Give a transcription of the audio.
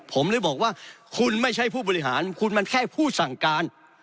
ผมเลยบอกว่าคุณไม่ใช่ผู้บริหารคุณมันแค่ผู้สั่งการ